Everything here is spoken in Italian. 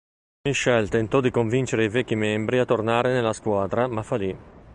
Mitchell tentò di convincere i vecchi membri a tornare nella squadra ma fallì.